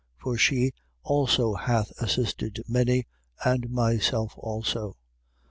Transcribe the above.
For she also hath assisted many, and myself also. 16:3.